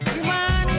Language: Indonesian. jadi gimana tuh